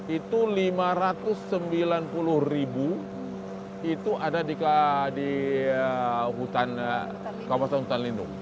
itu lima ratus sembilan puluh ribu itu ada di kawasan hutan lindung